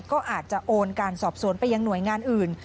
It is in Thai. ก็อาจจะโอนการสอบสวนไปยังหน่วยงานอื่น